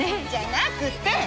じゃなくて！